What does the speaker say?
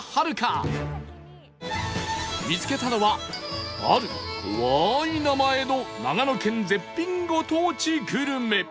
見つけたのはある怖い名前の長野県絶品ご当地グルメ